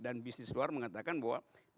dan bisnis luar mengatakan bahwa